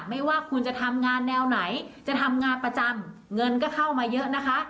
ไม่ว่าคุณจะทำงานแนวไหนจะทำงานประจำเงินก็เข้ามาเยอะนะคะ